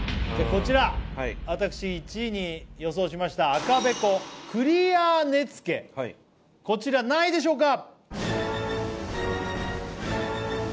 こちら私１位に予想しました赤べこクリア根付こちら何位でしょうか？